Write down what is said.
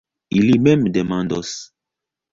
Ili mem demandos.